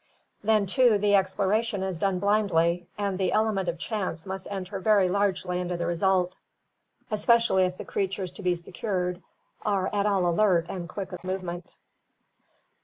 Then, too, the exploration is done blindly and the ele ment of chance must enter very largely into the result, especially if the creatures to be secured are at all alert and quick of move ment.